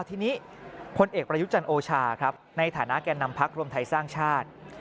ทีนี้พลเอกประยุจันทร์โอชาครับในฐานะแก่นำพักรวมไทยสร้างชาติ